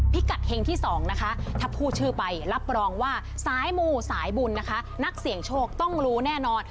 พูดชื่อไปรับรองว่าสายหมู่สายบุญนะคะนักเสียงโชคต้องรู้แน่นอน